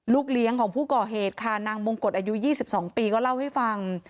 เลี้ยงของผู้ก่อเหตุค่ะนางมงกฎอายุ๒๒ปีก็เล่าให้ฟัง